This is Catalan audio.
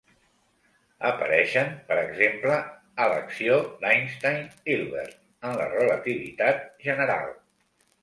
Apareixen, per exemple, a l'acció d'Einstein-Hilbert en la relativitat general.